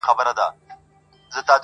ما یې په خوبونو کي سیندونه وچ لیدلي دي!!